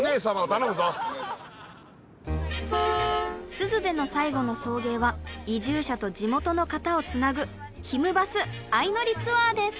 珠洲での最後の送迎は移住者と地元の方をつなぐひむバスあいのりツアーです。